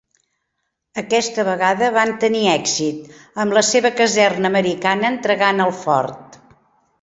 Aquesta vegada van tenir èxit, amb la seva caserna americana entregant el fort.